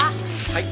はい。